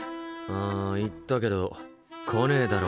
あ言ったけど来ねえだろ